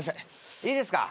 いいですか？